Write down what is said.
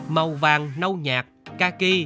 màu vàng nâu nhạt ca kỳ